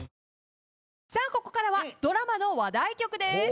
ここからはドラマの話題曲です。